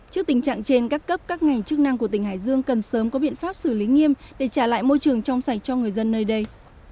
trước tình trạng trên các cấp các ngành chức năng của tỉnh hải dương cần sớm có biện pháp xử lý nghiêm để trả lại môi trường trong sạch cho người dân nơi đây